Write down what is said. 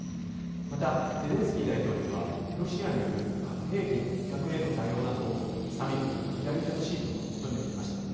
また、ゼレンスキー大統領は、ロシアによる核兵器の威嚇への威嚇への対応などをサミットで取り上げてほしいと求めていました。